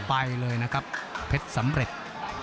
ไปเลยนะครับเพชรสำเร็จ